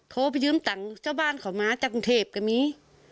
โทรไปยืมตังค์เจ้าบ้านเขามาจากกรุงเทพก็มี